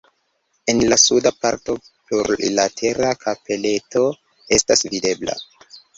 En la suda parto plurlatera kapeleto estas videbla.